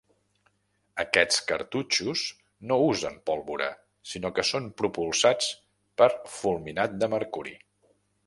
Aquests cartutxos no usen pólvora, sinó que són propulsats per Fulminat de mercuri.